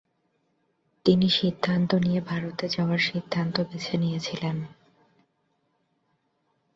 তিনি সিদ্ধান্ত নিয়ে ভারতে যাওয়ার সিদ্ধান্ত বেছে নিয়েছিলেন।